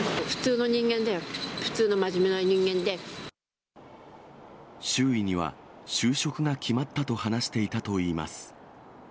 普通の人間だよ、普通の真面目な周囲には、就職が決まったと話していたといいます。